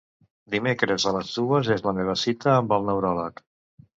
Dimecres a les dues és la meva cita amb el neuròleg.